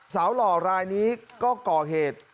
หล่อรายนี้ก็ก่อเหตุ